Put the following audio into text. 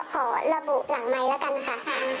ขอระบุหลังน้องแล้วกันค่ะ